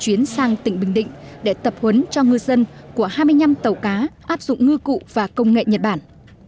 chuyến sang tỉnh bình định để tập huấn cho ngư dân của hai mươi năm tàu cá áp dụng ngư cụ và công nghệ nhật bản